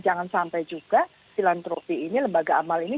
jangan sampai juga filantropi ini lembaga amal ini